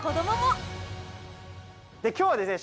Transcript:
今日はですね